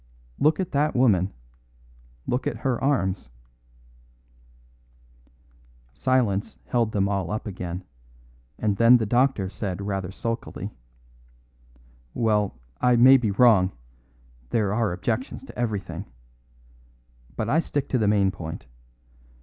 Look at that woman. Look at her arms." Silence held them all up again, and then the doctor said rather sulkily: "Well, I may be wrong; there are objections to everything. But I stick to the main point.